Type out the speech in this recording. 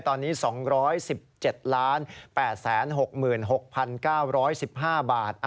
ตอนนี้๒๑๗๘๖๖๙๑๕บาท